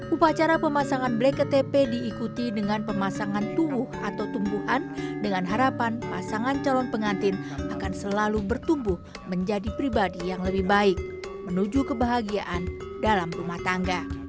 upacara pemasangan black ke tp diikuti dengan pemasangan tubuh atau tumbuhan dengan harapan pasangan calon pengantin akan selalu bertumbuh menjadi pribadi yang lebih baik menuju kebahagiaan dalam rumah tangga